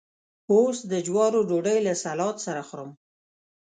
اوس د جوارو ډوډۍ له سلاد سره خورم.